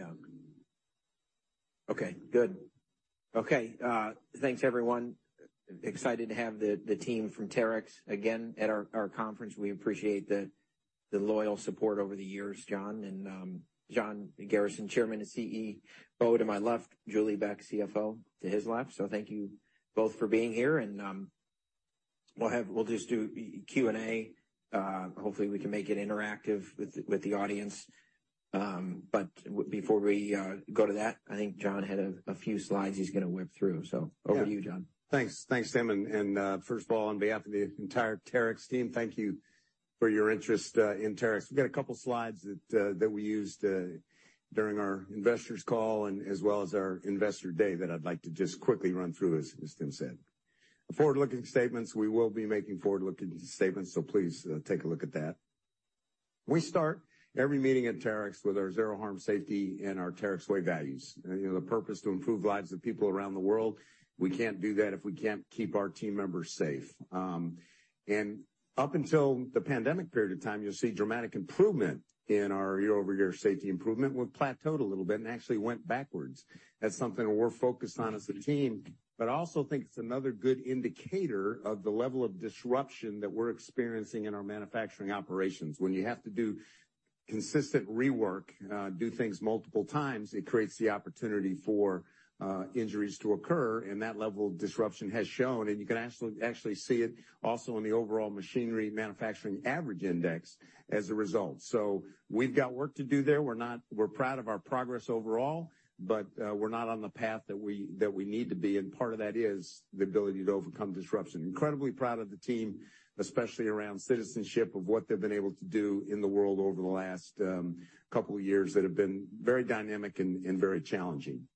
Yeah. Okay, good. Okay, thanks everyone. Excited to have the team from Terex again at our conference. We appreciate the loyal support over the years, John, and John Garrison, Chairman and CEO to my left, Julie Beck, CFO to his left. Thank you both for being here and we'll just do Q&A. Hopefully we can make it interactive with the audience. Before we go to that, I think John had a few slides he's gonna whip through. Over to you, John. Yeah. Thanks. Thanks, Tim. First of all, on behalf of the entire Terex team, thank you for your interest in Terex. We've got a couple slides that we used during our investors call and as well as our investor day that I'd like to just quickly run through, as Tim said. The forward-looking statements, we will be making forward-looking statements, so please take a look at that. We start every meeting at Terex with our Zero Harm safety and our Terex Way values. You know, the purpose, to improve lives of people around the world. We can't do that if we can't keep our team members safe. Up until the pandemic period of time, you'll see dramatic improvement in our year-over-year safety improvement. We plateaued a little bit and actually went backwards. That's something we're focused on as a team. I also think it's another good indicator of the level of disruption that we're experiencing in our manufacturing operations. When you have to do consistent rework, do things multiple times, it creates the opportunity for injuries to occur, and that level of disruption has shown, and you can actually see it also in the overall machinery manufacturing average index as a result. We've got work to do there. We're not proud of our progress overall. We're not on the path that we need to be, and part of that is the ability to overcome disruption. Incredibly proud of the team, especially around citizenship, of what they've been able to do in the world over the last couple years that have been very dynamic and very challenging.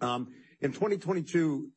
In 2022,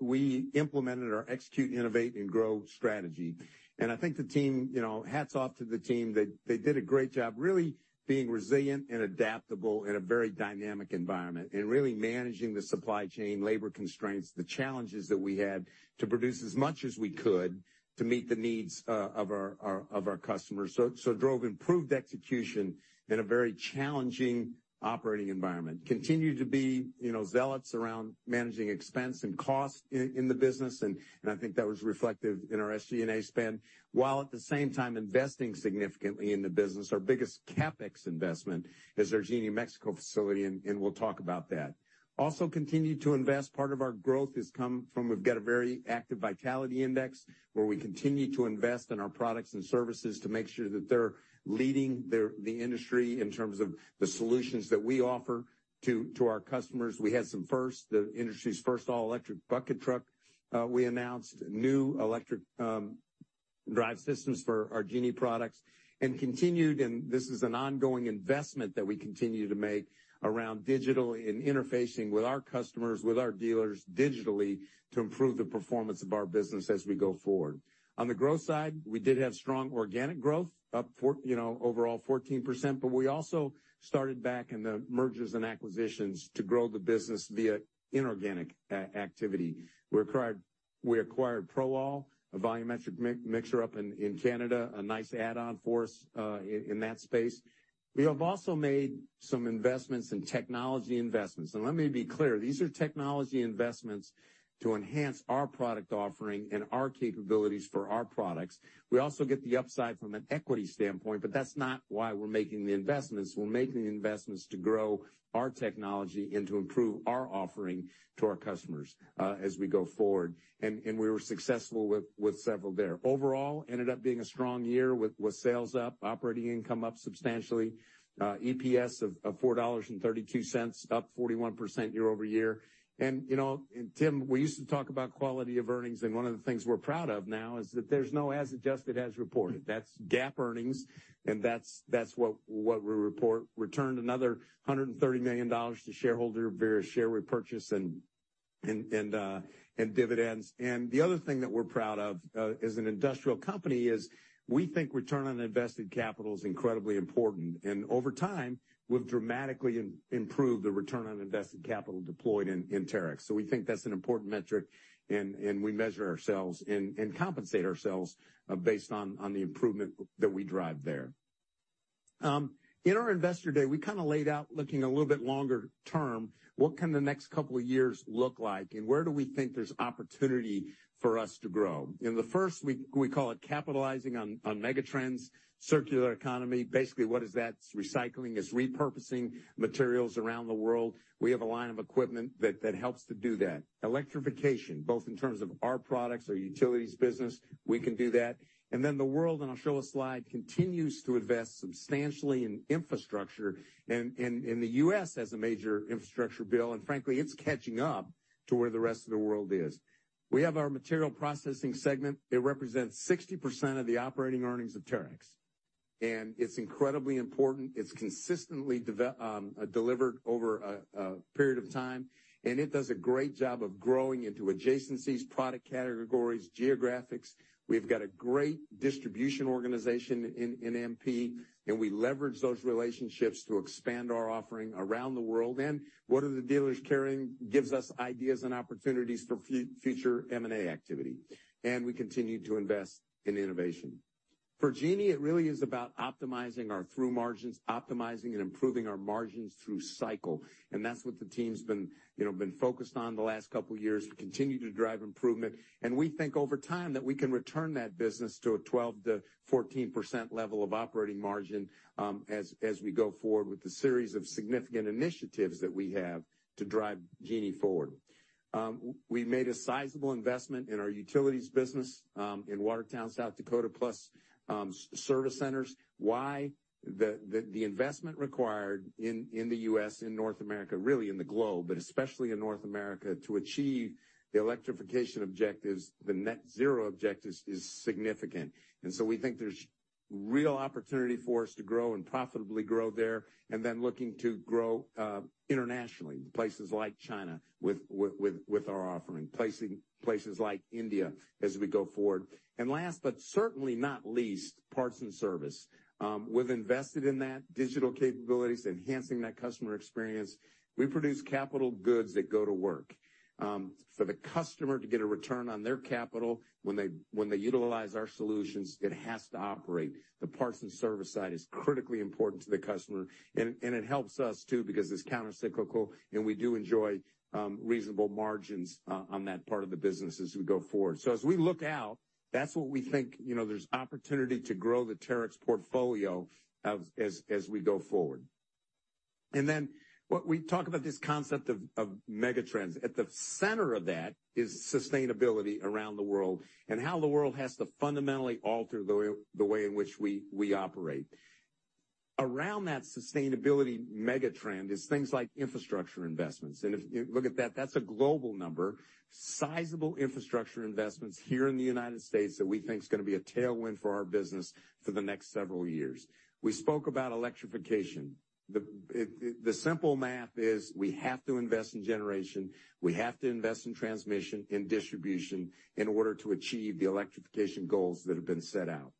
we implemented our execute, innovate, and grow strategy. I think the team, hats off to the team. They did a great job really being resilient and adaptable in a very dynamic environment and really managing the supply chain, labor constraints, the challenges that we had to produce as much as we could to meet the needs of our customers. Drove improved execution in a very challenging operating environment. Continue to be zealots around managing expense and cost in the business, and I think that was reflective in our SG&A spend, while at the same time investing significantly in the business. Our biggest CapEx investment is our Genie Mexico facility, and we'll talk about that. Also continue to invest. Part of our growth has come from we've got a very active vitality index, where we continue to invest in our products and services to make sure that they're leading the industry in terms of the solutions that we offer to our customers. We had some firsts, the industry's first all-electric bucket truck. We announced new electric drive systems for our Genie products and continued, and this is an ongoing investment that we continue to make around digital and interfacing with our customers, with our dealers digitally to improve the performance of our business as we go forward. On the growth side, we did have strong organic growth, up four, you know, overall 14%, We also started back in the mergers and acquisitions to grow the business via inorganic activity. We acquired ProAll, a volumetric mixer up in Canada, a nice add-on for us in that space. We have also made some investments in technology investments. Let me be clear, these are technology investments to enhance our product offering and our capabilities for our products. We also get the upside from an equity standpoint, but that's not why we're making the investments. We're making the investments to grow our technology and to improve our offering to our customers as we go forward. We were successful with several there. Overall, ended up being a strong year with sales up, operating income up substantially, EPS of $4.32, up 41% year-over-year. You know, Tim, we used to talk about quality of earnings, and one of the things we're proud of now is that there's no as adjusted, as reported. That's GAAP earnings, and that's what we report. Returned another $130 million to shareholder via share repurchase and dividends. The other thing that we're proud of as an industrial company is we think return on invested capital is incredibly important. Over time, we've dramatically improved the return on invested capital deployed in Terex. We think that's an important metric, and we measure ourselves and compensate ourselves based on the improvement that we drive there. In our investor day, we kinda laid out looking a little bit longer term, what can the next couple of years look like and where do we think there's opportunity for us to grow? In the first, we call it capitalizing on megatrends. Circular economy, basically what is that? It's recycling, it's repurposing materials around the world. We have a line of equipment that helps to do that. Electrification, both in terms of our products, our utilities business, we can do that. The world, and I'll show a slide, continues to invest substantially in infrastructure and the U.S. as a major infrastructure bill, and frankly, it's catching up to where the rest of the world is. We have our Materials Processing segment. It represents 60% of the operating earnings of Terex, and it's incredibly important. It's consistently delivered over a period of time, and it does a great job of growing into adjacencies, product categories, geographics. We've got a great distribution organization in MP, and we leverage those relationships to expand our offering around the world. What are the dealers carrying gives us ideas and opportunities for future M&A activity. We continue to invest in innovation. For Genie, it really is about optimizing our through margins, optimizing and improving our margins through cycle. That's what the team's been, you know, focused on the last couple years, to continue to drive improvement. We think over time that we can return that business to a 12%-14% level of operating margin, as we go forward with the series of significant initiatives that we have to drive Genie forward. We made a sizable investment in our utilities business in Watertown, South Dakota, plus service centers. Why? The investment required in the U.S., in North America, really in the globe, but especially in North America, to achieve the electrification objectives, the net zero objectives, is significant. We think there's real opportunity for us to grow and profitably grow there, then looking to grow internationally, in places like China with our offering, places like India as we go forward. Last, but certainly not least, parts and service. We've invested in that, digital capabilities, enhancing that customer experience. We produce capital goods that go to work. For the customer to get a return on their capital when they utilize our solutions, it has to operate. The parts and service side is critically important to the customer, and it helps us too because it's countercyclical, and we do enjoy reasonable margins on that part of the business as we go forward. As we look out, that's what we think, you know, there's opportunity to grow the Terex portfolio as we go forward. Then what we talk about this concept of megatrends. At the center of that is sustainability around the world and how the world has to fundamentally alter the way in which we operate. Around that sustainability megatrend is things like infrastructure investments. If you look at that's a global number. Sizable infrastructure investments here in the United States that we think's gonna be a tailwind for our business for the next several years. We spoke about electrification. The simple math is we have to invest in generation, we have to invest in transmission and distribution in order to achieve the electrification goals that have been set out.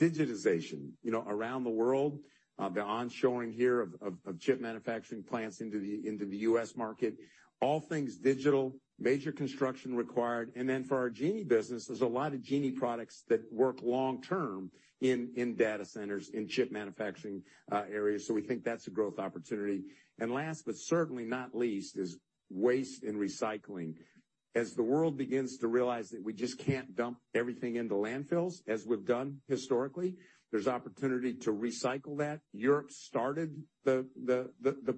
Digitization. You know, around the world, the onshoring here of chip manufacturing plants into the US market, all things digital, major construction required. For our Genie business, there's a lot of Genie products that work long-term in data centers, in chip manufacturing areas, so we think that's a growth opportunity. Last, but certainly not least, is waste and recycling. As the world begins to realize that we just can't dump everything into landfills as we've done historically, there's opportunity to recycle that. Europe started the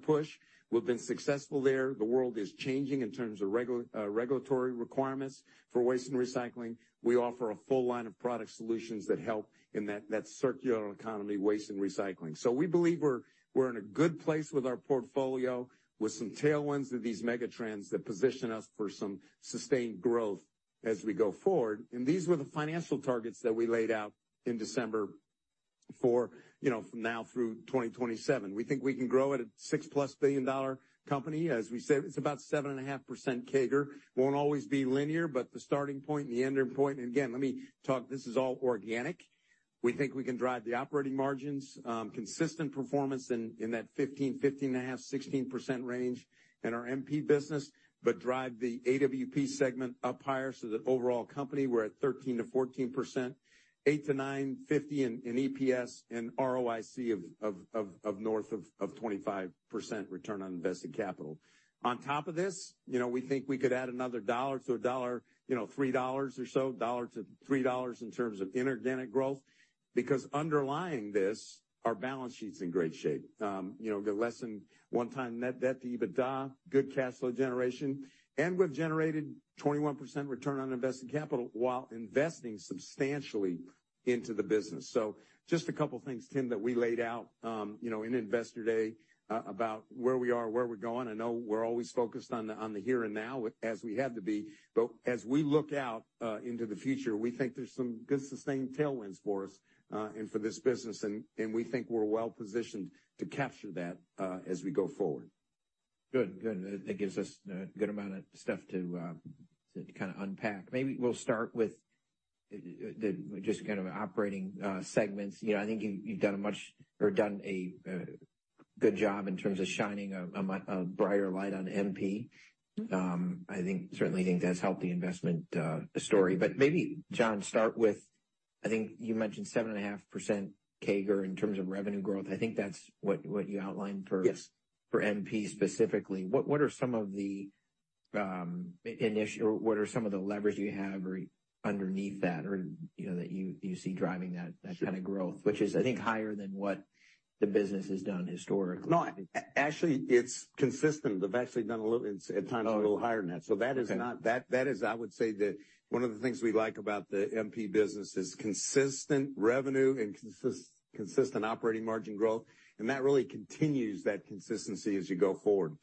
push. We've been successful there. The world is changing in terms of regulatory requirements for waste and recycling. We offer a full line of product solutions that help in that circular economy waste and recycling. We believe we're in a good place with our portfolio, with some tailwinds with these megatrends that position us for some sustained growth as we go forward. These were the financial targets that we laid out in December for, you know, from now through 2027. We think we can grow at a $6+ billion company. As we said, it's about 7.5% CAGR. Won't always be linear, but the starting point and the ending point, and again, let me talk, this is all organic. We think we can drive the operating margins, consistent performance in that 15%, 15.5%, 16% range in our MP business, but drive the AWP segment up higher. The overall company, we're at 13%-14%. $8-$9.50 in EPS and ROIC north of 25% return on invested capital. On top of this, you know, we think we could add another $1 to $3 or so in terms of inorganic growth, because underlying this, our balance sheet's in great shape. You know, the less than 1x net debt to EBITDA, good cash flow generation. We've generated 21% return on invested capital while investing substantially into the business. Just a couple things, Tim, that we laid out, you know, about where we are, where we're going. I know we're always focused on the here and now, as we have to be. As we look out into the future, we think there's some good sustained tailwinds for us, and for this business, and we think we're well-positioned to capture that, as we go forward. Good. That gives us a good amount of stuff to kind of unpack. Maybe we'll start with the just kind of operating segments. You know, I think you've done a much, or done a good job in terms of shining a brighter light on MP. I think, certainly think that's helped the investment story. But maybe, John, start with, I think you mentioned 7.5% CAGR in terms of revenue growth. I think that's what you outlined for- Yes. For MP specifically. What are some of the levers you have or underneath that or, you know, that you see driving that kind of growth? Which is, I think, higher than what the business has done historically. No, actually, it's consistent. We've actually done a little, at times a little higher than that. Oh, okay. That is not, that is, I would say, one of the things we like about the MP business is consistent revenue and consistent operating margin growth, and that really continues that consistency as you go forward.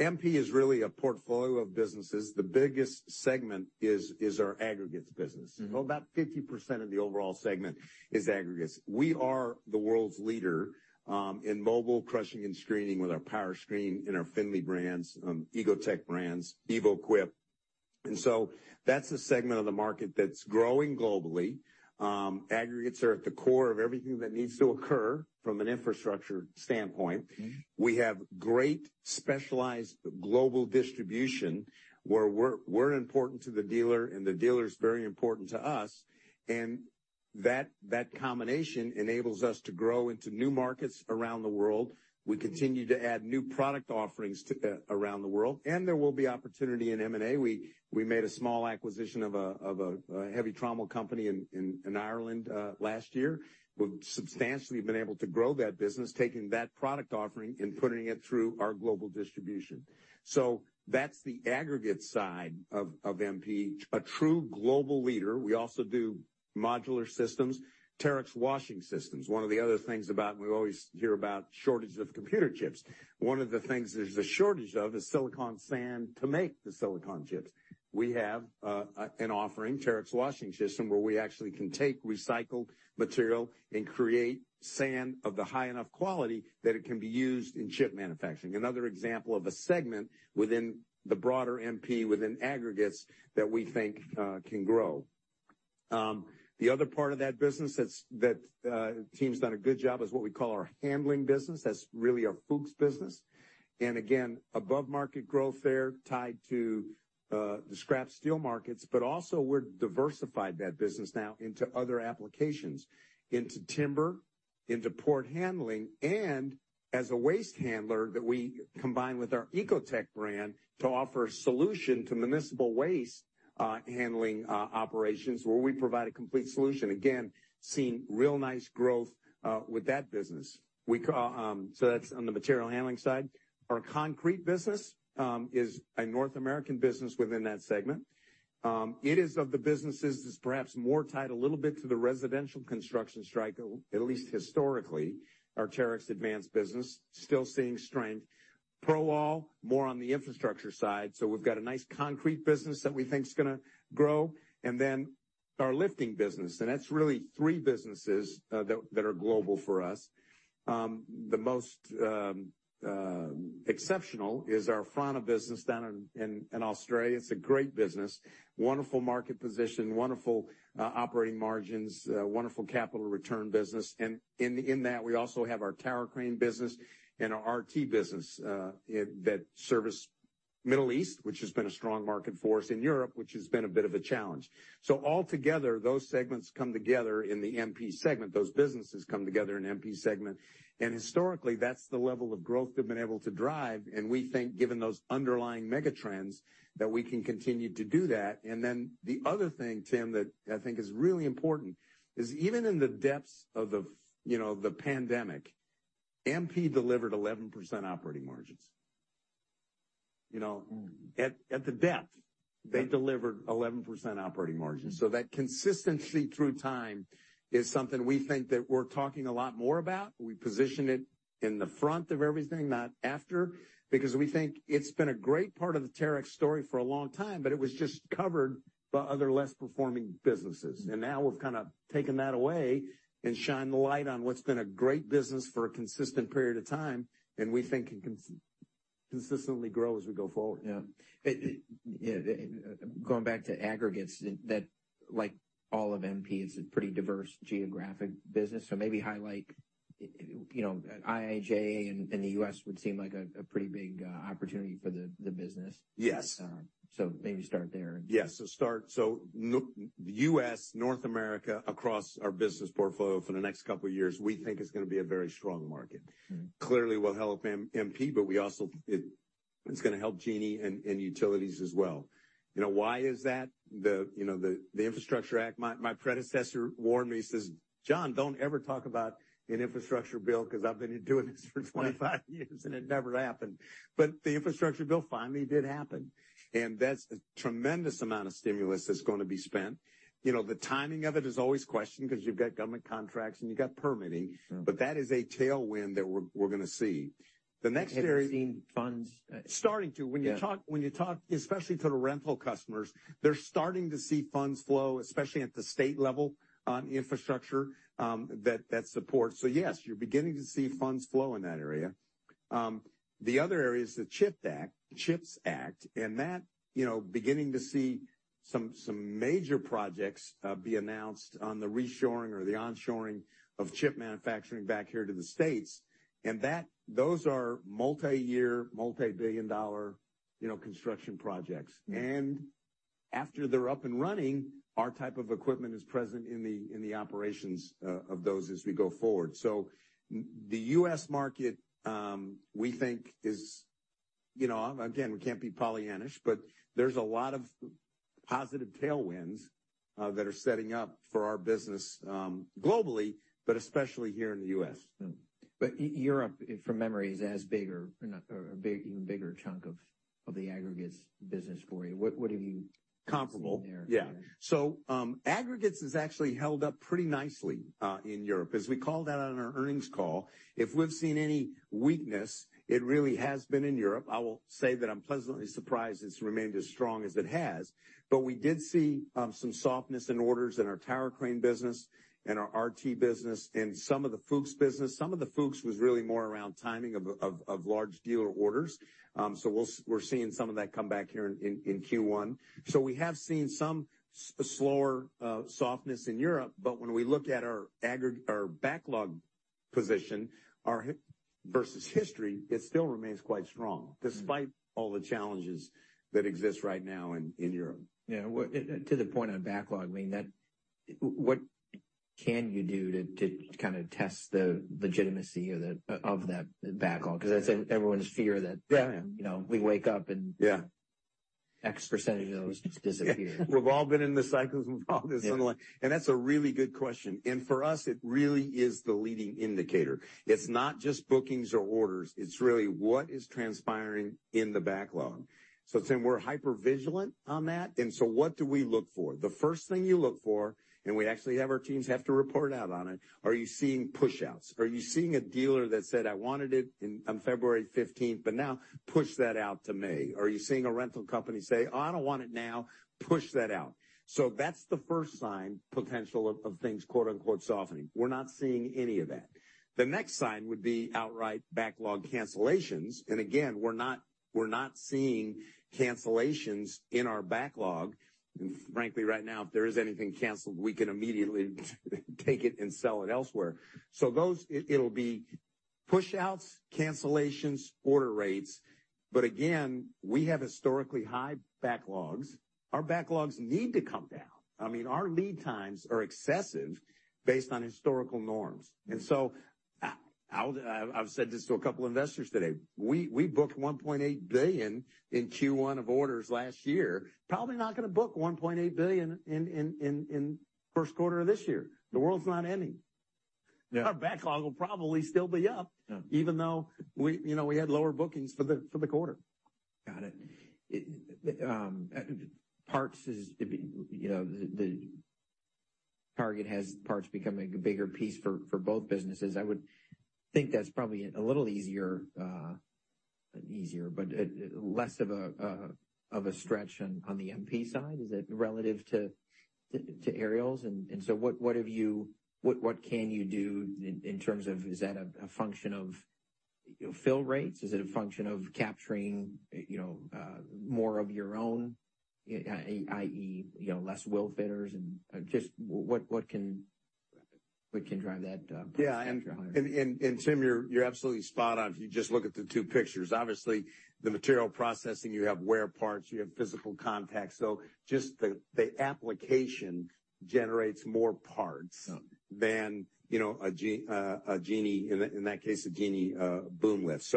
MP is really a portfolio of businesses. The biggest segment is our aggregates business. Mm-hmm. About 50% of the overall segment is aggregates. We are the world's leader in mobile crushing and screening with our Powerscreen and our Finlay brands, Ecotec brands, EvoQuip. That's a segment of the market that's growing globally. Aggregates are at the core of everything that needs to occur from an infrastructure standpoint. Mm-hmm. We have great specialized global distribution, where we're important to the dealer, and the dealer's very important to us. That combination enables us to grow into new markets around the world. We continue to add new product offerings around the world, and there will be opportunity in M&A. We made a small acquisition of a heavy trommel company in Ireland last year. We've substantially been able to grow that business, taking that product offering and putting it through our global distribution. That's the aggregate side of MP. A true global leader, we also do modular systems. Terex Washing Systems. One of the other things we always hear about shortage of computer chips. One of the things there's a shortage of is silicon sand to make the silicon chips. We have an offering, Terex Washing Systems, where we actually can take recycled material and create sand of the high enough quality that it can be used in chip manufacturing. Another example of a segment within the broader MP, within aggregates, that we think can grow. The other part of that business that's, the team's done a good job is what we call our handling business. That's really our Fuchs business. Again, above market growth there tied to the scrap steel markets, but also we're diversified that business now into other applications, into timber, into port handling, and as a waste handler that we combine with our Ecotec brand to offer a solution to municipal waste handling operations, where we provide a complete solution. Again, seeing real nice growth with that business. So that's on the Materials Processing side. Our concrete business is a North American business within that segment. It is of the businesses that's perhaps more tied a little bit to the residential construction strike, at least historically. Our Terex Advance business still seeing strength. ProAll, more on the infrastructure side. We've got a nice concrete business that we think is gonna grow. Our lifting business, and that's really three businesses that are global for us. The most exceptional is our Franna business down in Australia. It's a great business. Wonderful market position, wonderful operating margins, wonderful capital return business. In that, we also have our tower crane business and our RT business, that service Middle East, which has been a strong market for us, in Europe, which has been a bit of a challenge. All together, those segments come together in the MP segment. Those businesses come together in MP segment. Historically, that's the level of growth they've been able to drive. We think, given those underlying mega trends, that we can continue to do that. Then the other thing, Tim, that I think is really important is even in the depths of the, you know, the pandemic, MP delivered 11% operating margins. You know? Mm. At the depth, they delivered 11% operating margins. That consistency through time is something we think that we're talking a lot more about. We position it in the front of everything, not after, because we think it's been a great part of the Terex story for a long time, but it was just covered by other less-performing businesses. Now we've kind of taken that away and shined the light on what's been a great business for a consistent period of time, and we think it can consistently grow as we go forward. Yeah. Yeah, going back to aggregates, like all of MP, is a pretty diverse geographic business. maybe highlight, you know, Asia and the U.S. would seem like a pretty big opportunity for the business. Yes. Maybe start there. Yes. U.S., North America, across our business portfolio for the next couple of years, we think is going to be a very strong market. Mm-hmm. Clearly will help MP, we also It's gonna help Genie and Utilities as well. You know, why is that? The, you know, the Infrastructure Act, my predecessor warned me, he says, "John, don't ever talk about an infrastructure bill because I've been doing this for 25 years, and it never happened." The infrastructure bill finally did happen. That's a tremendous amount of stimulus that's gonna be spent. You know, the timing of it is always questioned because you've got government contracts and you've got permitting. Sure. That is a tailwind that we're gonna see. The next area- Have you seen funds? Starting to. Yeah. When you talk, especially to the rental customers, they're starting to see funds flow, especially at the state level on infrastructure, that supports. Yes, you're beginning to see funds flow in that area. The other area is the CHIPS Act, and that, you know, beginning to see some major projects be announced on the reshoring or the onshoring of chip manufacturing back here to the States. Those are multiyear, multibillion-dollar, you know, construction projects. Mm-hmm. After they're up and running, our type of equipment is present in the operations of those as we go forward. The U.S. market, we think is, you know, again, we can't be Pollyannish, but there's a lot of positive tailwinds that are setting up for our business globally, but especially here in the U.S. Europe, from memory, is as big or big, even bigger chunk of the aggregates business for you. What have you. Comparable seen there? Yeah. aggregates has actually held up pretty nicely in Europe. As we called out on our earnings call, if we've seen any weakness, it really has been in Europe. I will say that I'm pleasantly surprised it's remained as strong as it has. We did see some softness in orders in our tower crane business and our RT business and some of the Fuchs business. Some of the Fuchs was really more around timing of large dealer orders. We're seeing some of that come back here in Q1. We have seen some slower softness in Europe. When we look at our backlog position versus history, it still remains quite strong, despite all the challenges that exist right now in Europe. Yeah. Well, to the point on backlog, I mean, what can you do to kind of test the legitimacy of that backlog? 'Cause that's everyone's fear that... Yeah. You know, we wake up. Yeah. X% of those disappear. We've all been in the cycles, we're all just on the line. That's a really good question. For us, it really is the leading indicator. It's not just bookings or orders, it's really what is transpiring in the backlog. Tim, we're hypervigilant on that, what do we look for? The first thing you look for, we actually have our teams have to report out on it, are you seeing pushouts? Are you seeing a dealer that said, "I wanted it in on February 15th," now push that out to May? Are you seeing a rental company say, "Oh, I don't want it now," push that out. That's the first sign potential of things, quote-unquote, softening. We're not seeing any of that. The next sign would be outright backlog cancellations. Again, we're not seeing cancellations in our backlog. Frankly, right now, if there is anything canceled, we can immediately take it and sell it elsewhere. It'll be pushouts, cancellations, order rates. Again, we have historically high backlogs. Our backlogs need to come down. I mean, our lead times are excessive based on historical norms. I've said this to a couple investors today. We booked $1.8 billion in Q1 of orders last year. Probably not gonna book $1.8 billion in first quarter of this year. The world's not ending. Yeah. Our backlog will probably still be up. Yeah. Even though we, you know, we had lower bookings for the quarter. Got it. Parts is, you know, the target has parts becoming a bigger piece for both businesses. I would think that's probably a little easier, but less of a of a stretch on the MP side, is it relative to Aerials? What can you do in terms of? Is that a function of fill rates? Is it a function of capturing, you know, more of your own, I.e., you know, less wheel fitters and just what can drive that? Yeah. Tim, you're absolutely spot on. If you just look at the two pictures. Obviously, the material processing, you have wear parts, you have physical contact. just the application generates more parts- Yeah. You know, a Genie, in that case, a Genie boom lift.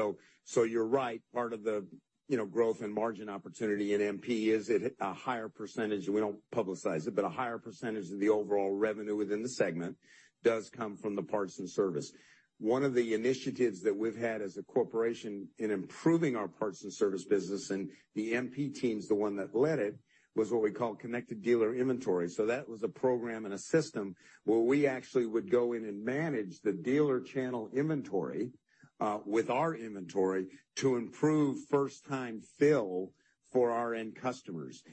You're right. Part of the, you know, growth and margin opportunity in MP is it a higher percentage. We don't publicize it, but a higher % of the overall revenue within the segment does come from the parts and service. One of the initiatives that we've had as a corporation in improving our parts and service business, and the MP team's the one that led it, was what we call Connected Dealer Inventory. That was a program and a system where we actually would go in and manage the dealer channel inventory with our inventory to improve first-time fill for our end customers.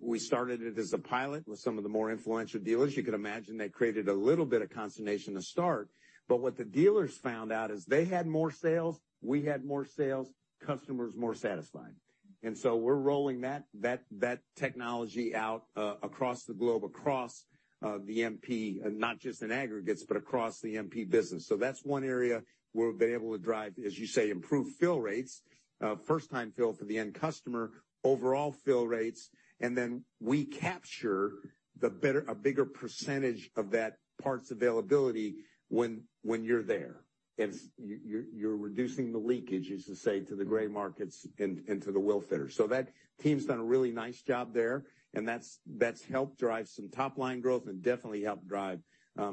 We started it as a pilot with some of the more influential dealers. You can imagine that created a little bit of consternation to start. What the dealers found out is they had more sales, we had more sales, customers more satisfied. We're rolling that technology out across the globe, across the MP, not just in aggregates, but across the MP business. That's one area where we've been able to drive, as you say, improved fill rates, first-time fill for the end customer, overall fill rates, and then we capture a bigger percentage of that parts availability when you're there. You're reducing the leakage, as you say, to the gray markets and to the wheel fitters. That team's done a really nice job there, and that's helped drive some top-line growth and definitely helped drive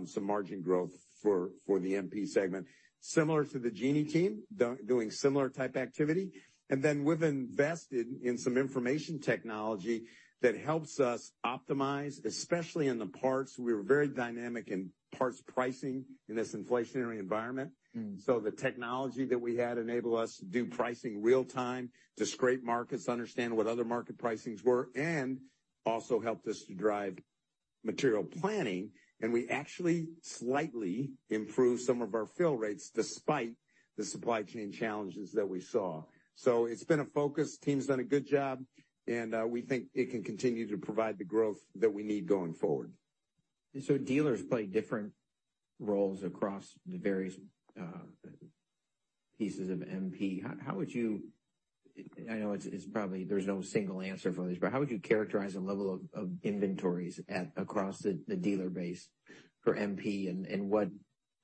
some margin growth for the MP segment. Similar to the Genie team, doing similar type activity. We've invested in some information technology that helps us optimize, especially in the parts. We're very dynamic in parts pricing in this inflationary environment. Mm-hmm. The technology that we had enable us to do pricing real-time, to scrape markets, understand what other market pricings were, and also helped us to drive material planning. We actually slightly improved some of our fill rates despite the supply chain challenges that we saw. It's been a focus. Team's done a good job, and we think it can continue to provide the growth that we need going forward. Dealers play different roles across the various pieces of MP. How would you. I know it's probably there's no single answer for this, but how would you characterize the level of inventories across the dealer base for MP and what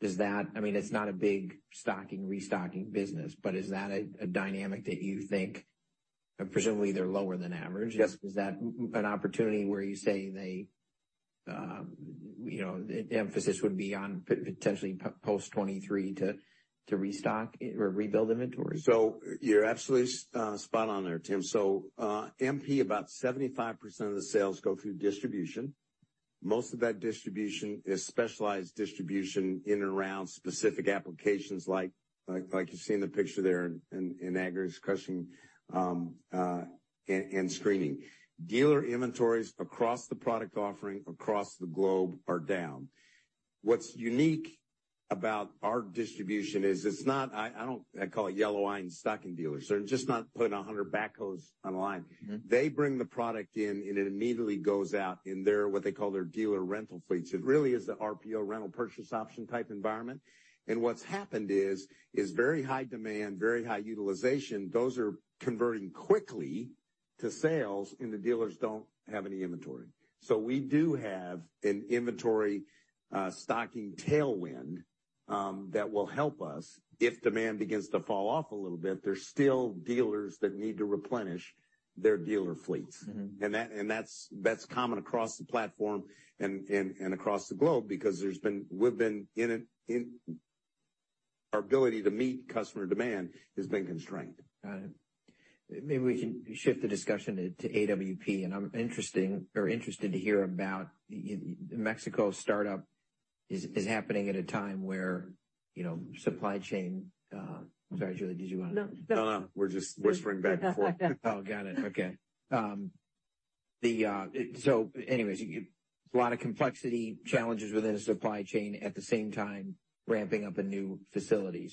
does that I mean, it's not a big stocking, restocking business, but is that a dynamic that you think. Presumably, they're lower than average. Yes. Is that an opportunity where you say they, you know, the emphasis would be on potentially post 2023 to restock or rebuild inventory? You're absolutely spot on there, Tim. MP, about 75% of the sales go through distribution. Most of that distribution is specialized distribution in and around specific applications like you see in the picture there in aggregates crushing, and screening. Dealer inventories across the product offering across the globe are down. What's unique about our distribution is it's not I don't call it yellow iron stocking dealers. They're just not putting 100 backhoes on the line. Mm-hmm. They bring the product in, and it immediately goes out in their, what they call their dealer rental fleets. It really is a RPO rental purchase option type environment. What's happened is very high demand, very high utilization, those are converting quickly to sales, and the dealers don't have any inventory. We do have an inventory stocking tailwind that will help us. If demand begins to fall off a little bit, there's still dealers that need to replenish their dealer fleets. Mm-hmm. That, and that's common across the platform and across the globe because we've been in a... Our ability to meet customer demand has been constrained. Got it. Maybe we can shift the discussion to AWP, and I'm interested to hear about the Mexico startup is happening at a time where, you know, supply chain... I'm sorry, Julie, did you wanna- No, no. No, no. We're just whispering back and forth. Oh, got it. Okay. A lot of complexity, challenges within a supply chain at the same time ramping up a new facility.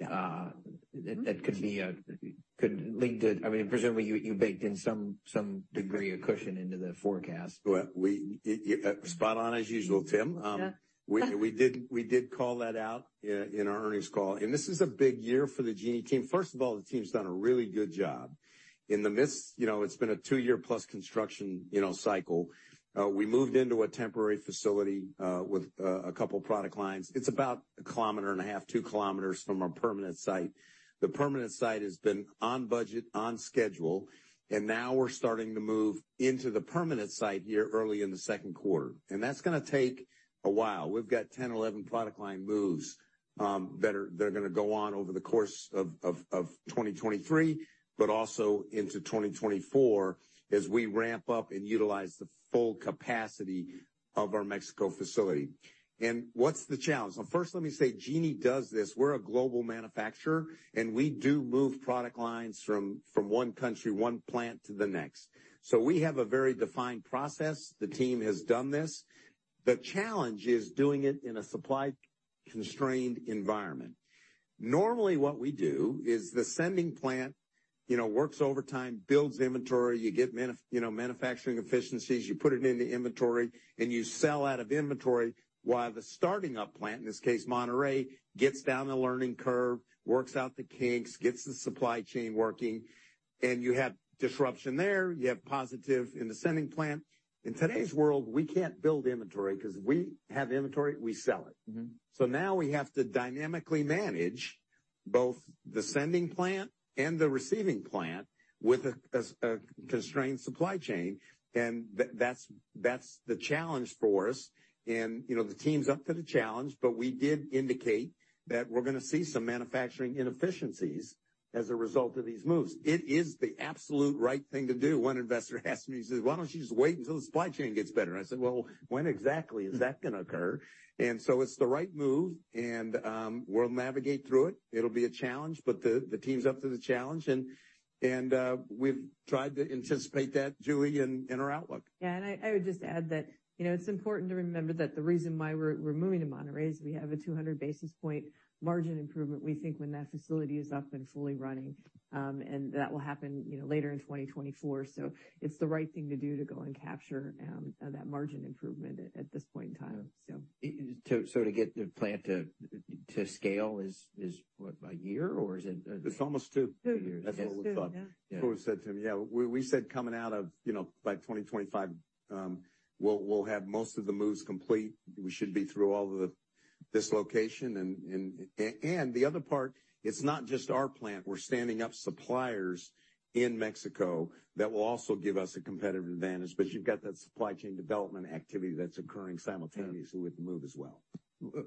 That could lead to. I mean, presumably, you baked in some degree of cushion into the forecast. Well, we, you, spot on as usual, Tim. Yeah. We did call that out in our earnings call. This is a big year for the Genie team. First of all, the team's done a really good job. In the midst, you know, it's been a 2-year-plus construction, you know, cycle. We moved into a temporary facility with a couple product lines. It's about 1.5 kilometers, 2 kilometers from our permanent site. The permanent site has been on budget, on schedule, and now we're starting to move into the permanent site here early in the second quarter. That's gonna take a while. We've got 10, 11 product line moves that are gonna go on over the course of 2023, but also into 2024 as we ramp up and utilize the full capacity of our Mexico facility. What's the challenge? First let me say, Genie does this. We're a global manufacturer, we do move product lines from one country, one plant to the next. We have a very defined process. The team has done this. The challenge is doing it in a supply constrained environment. Normally, what we do is the sending plant, you know, works overtime, builds inventory. You get, you know, manufacturing efficiencies. You put it into inventory, you sell out of inventory while the starting up plant, in this case, Monterrey, gets down the learning curve, works out the kinks, gets the supply chain working, and you have disruption there. You have positive in the sending plant. In today's world, we can't build inventory 'cause we have inventory, we sell it. Mm-hmm. Now we have to dynamically manage both the sending plant and the receiving plant with a constrained supply chain. That's the challenge for us. You know, the team's up to the challenge, but we did indicate that we're gonna see some manufacturing inefficiencies as a result of these moves. It is the absolute right thing to do. One investor asked me, he says, "Why don't you just wait until the supply chain gets better?" I said, "Well, when exactly is that gonna occur?" It's the right move, and we'll navigate through it. It'll be a challenge, but the team's up to the challenge, and we've tried to anticipate that, Julie, in our outlook. Yeah, I would just add that, you know, it's important to remember that the reason why we're moving to Monterrey is we have a 200 basis point margin improvement, we think, when that facility is up and fully running. That will happen, you know, later in 2024. It's the right thing to do to go and capture that margin improvement at this point in time. to get the plant to scale is what? A year or It's almost two. Two years. That's what we thought. It's two, yeah. We said to him, we said coming out of, you know, by 2025, we'll have most of the moves complete. We should be through all of this location and the other part, it's not just our plant. We're standing up suppliers in Mexico that will also give us a competitive advantage. You've got that supply chain development activity that's occurring simultaneously with the move as well.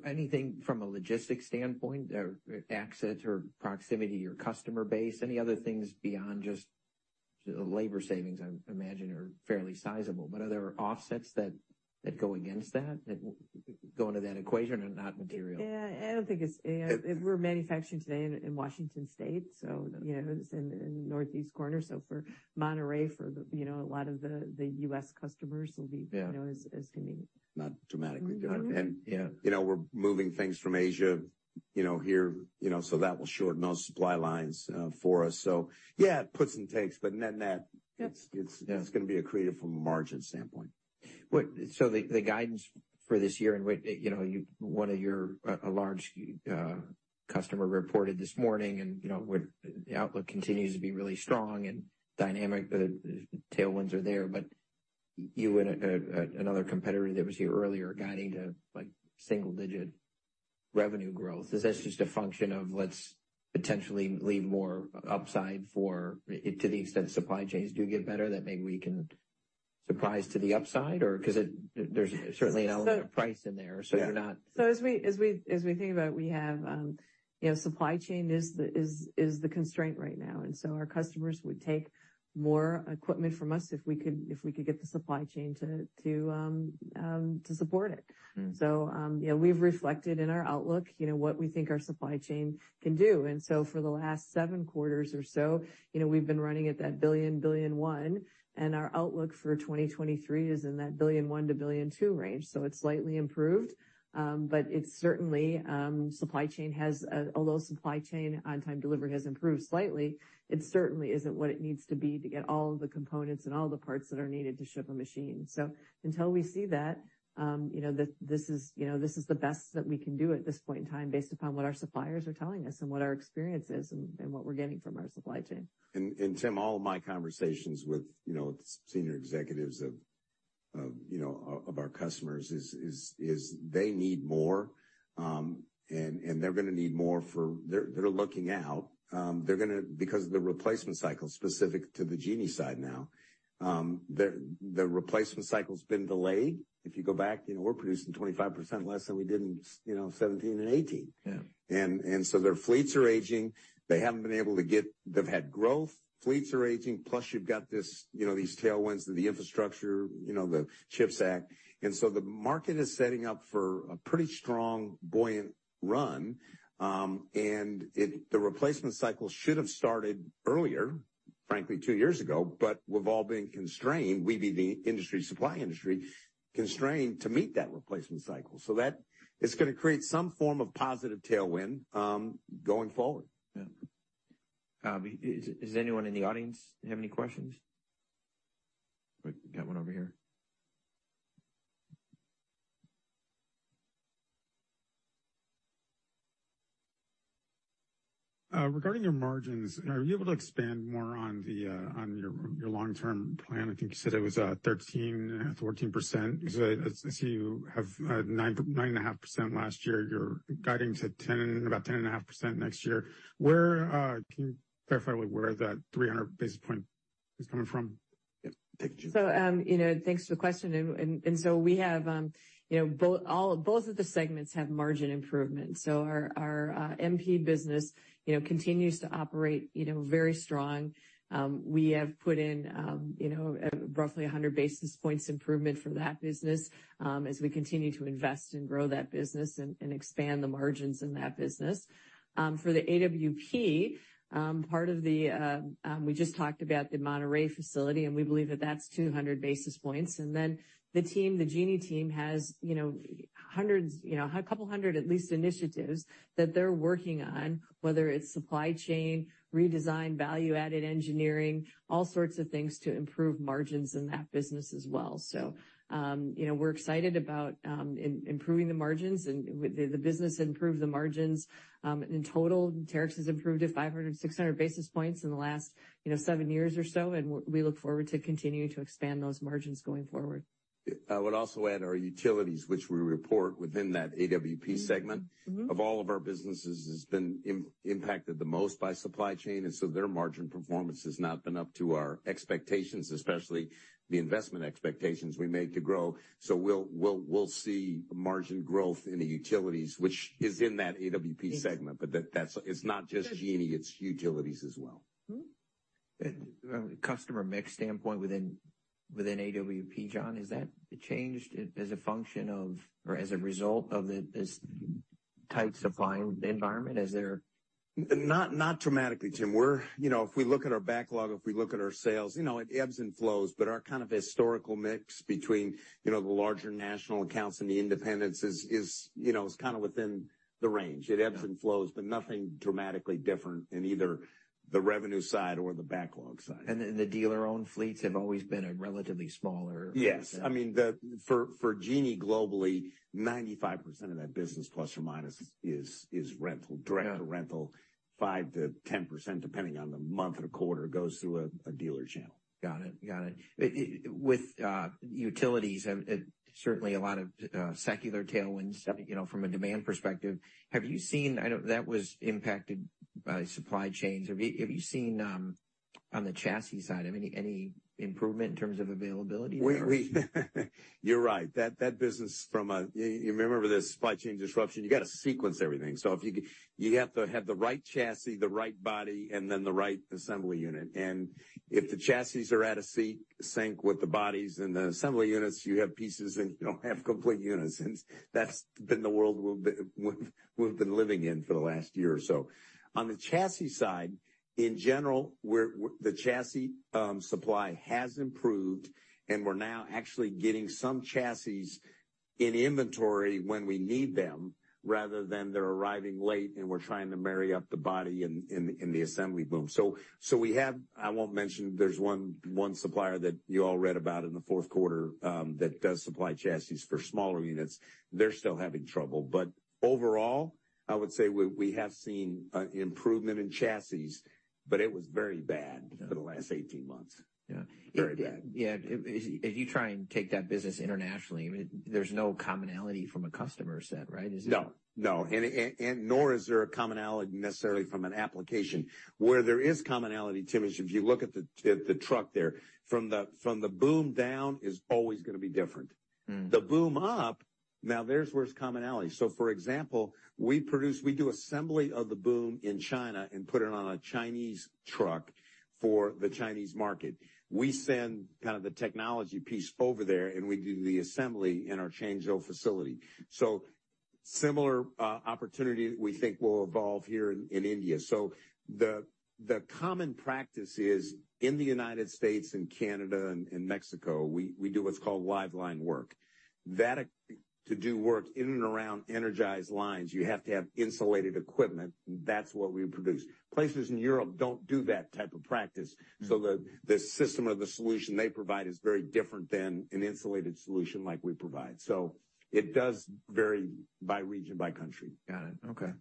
Anything from a logistics standpoint or access or proximity to your customer base? Any other things beyond just labor savings, I imagine are fairly sizable, but are there offsets that go against that go into that equation and not material? Yeah. I don't think it's. We're manufacturing today in Washington State, you know, it's in northeast corner. For Monterrey, for, you know, a lot of the US customers will be. Yeah. You know, as convenient. Not dramatically different. Mm-hmm. You know, we're moving things from Asia, you know, here, you know, so that will shorten those supply lines for us. Yeah, it puts and takes, but. Yeah. It's gonna be accretive from a margin standpoint. The guidance for this year and what, you know, one of your a large customer reported this morning and, you know, where the outlook continues to be really strong and dynamic, the tailwinds are there. But you and another competitor that was here earlier are guiding to, like, single digit revenue growth. Is this just a function of let's potentially leave more upside to the extent supply chains do get better, that maybe we can Surprise to the upside or? There's certainly an element of price in there, so you're not- As we think about we have, you know, supply chain is the constraint right now. Our customers would take more equipment from us if we could get the supply chain to support it. Mm. You know, we've reflected in our outlook, you know, what we think our supply chain can do. For the last seven quarters or so, you know, we've been running at that $1.1 billion, and our outlook for 2023 is in that $1.1 billion-$1.2 billion range. It's slightly improved, but it's certainly, although supply chain on-time delivery has improved slightly, it certainly isn't what it needs to be to get all of the components and all the parts that are needed to ship a machine. Until we see that, you know, this is the best that we can do at this point in time based upon what our suppliers are telling us and what our experience is and what we're getting from our supply chain. Tim, all of my conversations with, you know, senior executives of, you know, of our customers is, they need more, and they're gonna need more for. They're looking out, they're gonna because of the replacement cycle specific to the Genie side now, their replacement cycle's been delayed. If you go back, you know, we're producing 25% less than we did in you know, 2017 and 2018. Yeah. Their fleets are aging. They haven't been able to. They've had growth, fleets are aging, plus you've got this, you know, these tailwinds and the infrastructure, you know, the CHIPS Act. The market is setting up for a pretty strong buoyant run. The replacement cycle should have started earlier, frankly two years ago, but we've all been constrained, we being the industry, supply industry, constrained to meet that replacement cycle. That is gonna create some form of positive tailwind going forward. Yeah. Is anyone in the audience have any questions? We've got one over here. Regarding your margins, are you able to expand more on your long-term plan? I think you said it was 13%-14%. I see you have 9.5% last year. Your guidance had about 10.5% next year. Where can you clarify where that 300 basis points is coming from? Yeah. Take it, Julie. You know, thanks for the question. We have, you know, both of the segments have margin improvement. Our MP business, you know, continues to operate, you know, very strong. We have put in, you know, roughly 100 basis points improvement from that business, as we continue to invest and grow that business and expand the margins in that business. For the AWP, we just talked about the Monterrey facility, and we believe that that's 200 basis points. The team, the Genie team has, you know, hundreds, you know, a couple of hundred at least initiatives that they're working on, whether it's supply chain, redesign, value-added engineering, all sorts of things to improve margins in that business as well. You know, we're excited about improving the margins and the business improved the margins. In total, Terex has improved to 500-600 basis points in the last, you know, 7 years or so, and we look forward to continuing to expand those margins going forward. I would also add our utilities, which we report within that AWP segment. Mm-hmm. Mm-hmm. Of all of our businesses has been impacted the most by supply chain, their margin performance has not been up to our expectations, especially the investment expectations we made to grow. We'll see margin growth in the utilities, which is in that AWP segment. Yes. It's not just Genie, it's utilities as well. Mm-hmm. From a customer mix standpoint within AWP, John, has that changed as a function of or as a result of this tight supply environment? Not dramatically, Tim. We're, you know, if we look at our backlog, if we look at our sales, you know, it ebbs and flows, but our kind of historical mix between, you know, the larger national accounts and the independents is, you know, is kind of within the range. Yeah. It ebbs and flows, but nothing dramatically different in either the revenue side or the backlog side. The dealer-owned fleets have always been a relatively smaller-. Yes. I mean, for Genie globally, 95% ± of that business is rental. Yeah. Direct rental. 5%-10%, depending on the month or quarter, goes through a dealer channel. Got it. Got it. With utilities, certainly a lot of secular tailwinds... Yeah You know, from a demand perspective. I know that was impacted by supply chains. Have you seen, on the chassis side, any improvement in terms of availability or? We you're right. That business from a. You remember this supply chain disruption, you gotta sequence everything. If you have to have the right chassis, the right body, and then the right assembly unit. If the chassis are out of sync with the bodies and the assembly units, you have pieces, and you don't have complete units. That's been the world we've been living in for the last year or so. On the chassis side, in general, we're the chassis supply has improved, and we're now actually getting some chassis in inventory when we need them, rather than they're arriving late and we're trying to marry up the body in the assembly boom. We have... I won't mention, there's one supplier that you all read about in the fourth quarter that does supply chassis for smaller units. They're still having trouble. Overall, I would say we have seen improvement in chassis, but it was very bad for the last 18 months. Yeah. Very bad. Yeah. If you try and take that business internationally, I mean, there's no commonality from a customer set, right? No. No. Nor is there a commonality necessarily from an application. Where there is commonality, Tim, is if you look at the, at the truck there, from the, from the boom down is always gonna be different. Mm. The boom There's where it's commonality. For example, we do assembly of the boom in China and put it on a Chinese truck for the Chinese market. We send kind of the technology piece over there, and we do the assembly in our Changzhou facility. Similar opportunity we think will evolve here in India. The common practice is in the United States and Canada and Mexico, we do what's called live line work. To do work in and around energized lines, you have to have insulated equipment. That's what we produce. Places in Europe don't do that type of practice, the system or the solution they provide is very different than an insulated solution like we provide. It does vary by region, by country. Got it. Okay.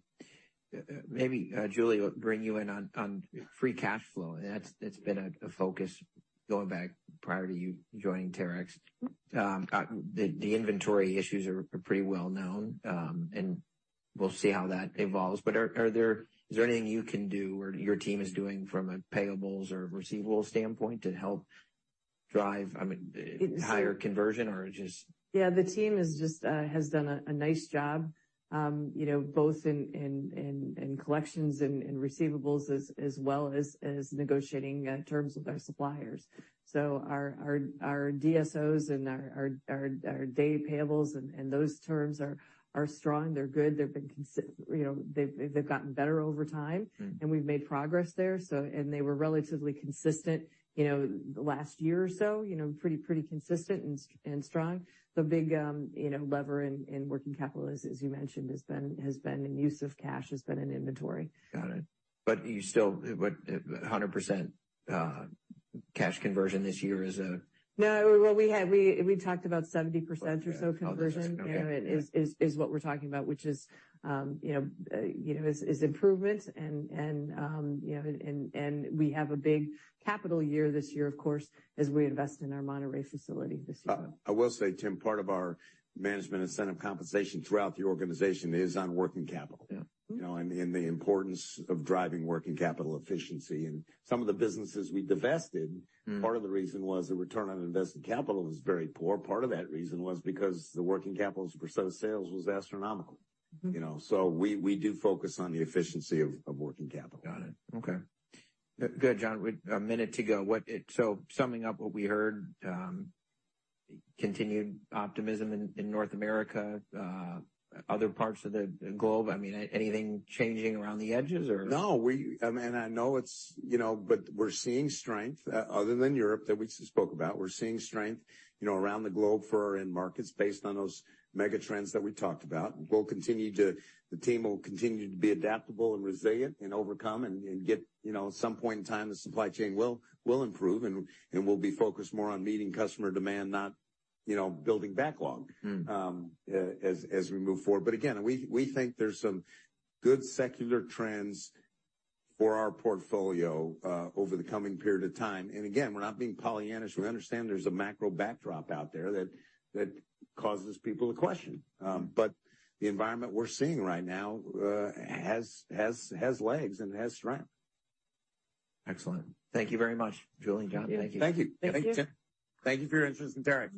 Maybe, Julie, bring you in on free cash flow. That's, that's been a focus going back prior to you joining Terex. The inventory issues are pretty well known, and we'll see how that evolves. Is there anything you can do or your team is doing from a payables or receivables standpoint to help drive, I mean, higher conversion or just... Yeah, the team is just has done a nice job, you know, both in collections and receivables as well as negotiating terms with our suppliers. Our DSOs and our day payables and those terms are strong. They're good. They've been you know, they've gotten better over time. Mm-hmm. We've made progress there, and they were relatively consistent, you know, the last year or so, you know, pretty consistent and strong. The big, you know, lever in working capital, as you mentioned, has been in use of cash, has been in inventory. Got it. 100% cash conversion this year is a... No. Well, we talked about 70% or so conversion, you know, is what we're talking about, which is, you know, is improvement and, you know, and we have a big capital year this year, of course, as we invest in our Monterrey facility this year. I will say, Tim, part of our management incentive compensation throughout the organization is on working capital. Yeah. You know, the importance of driving working capital efficiency. Some of the businesses we divested. Mm. Part of the reason was the return on invested capital was very poor. Part of that reason was because the working capital as a % of sales was astronomical. Mm-hmm. You know? We do focus on the efficiency of working capital. Got it. Okay. Good. John, with a minute to go, so summing up what we heard, continued optimism in North America, other parts of the globe. I mean, anything changing around the edges or? No. I know it's, you know, but we're seeing strength, other than Europe that we spoke about. We're seeing strength, you know, around the globe for end markets based on those mega trends that we talked about. The team will continue to be adaptable and resilient and overcome and get, you know, some point in time the supply chain will improve, and we'll be focused more on meeting customer demand not, you know, building backlog. Mm. as we move forward. Again, we think there's some good secular trends for our portfolio over the coming period of time. Again, we're not being Pollyannish. We understand there's a macro backdrop out there that causes people to question. The environment we're seeing right now has legs and has strength. Excellent. Thank you very much, Julie and John. Thank you. Thank you. Thank you. Thank you, Tim. Thank you for your interest in Terex.